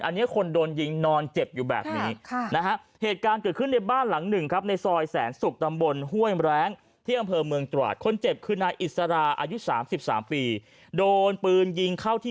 อันนี้คนโดนยิงนอนเจ็บอยู่แบบนี้นะฮะ